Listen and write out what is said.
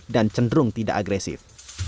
dan cenderung tidak agresif